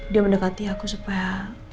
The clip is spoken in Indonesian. dia mendekati aku supaya